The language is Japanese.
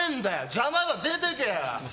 邪魔だ、出てけよ！